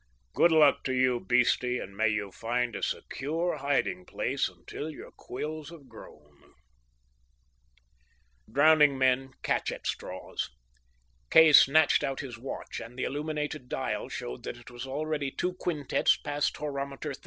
"Good luck to you, beastie, and may you find a secure hiding place until your quills have grown." Drowning men catch at straws. Kay snatched out his watch, and the illuminated dial showed that it was already two quintets past horometer 13.